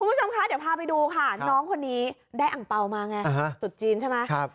คุณผู้ชมคะเดี๋ยวพาไปดูค่ะน้องคนนี้ได้อังเปล่ามาไงจุดจีนใช่ไหม